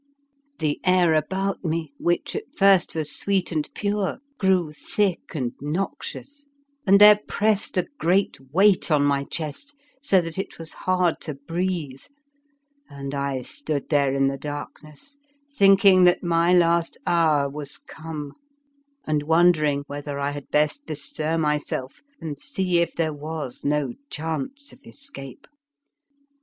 The air about me, which at first was sweet and pure, grew thick and nox ious, and there pressed a great weight on my chest so that it was hard to breathe, and I stood there in the darkness thinking that my last hour was come, and wondering whether I 59 The Fearsome Island had best bestir myself and see if there was no chance of escape.